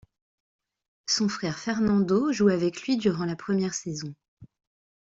Son frère Fernando joue avec lui durant la première saison.